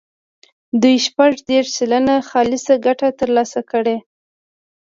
دوی شپږ دېرش سلنه خالصه ګټه ترلاسه کړي.